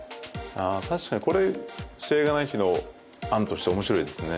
確かに、これは試合がない日の案として面白いです。